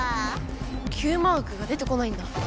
Ｑマークが出てこないんだ。